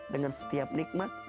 dengan setiap nikmat